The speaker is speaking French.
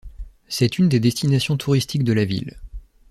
C'est une des destinations touristiques de la ville.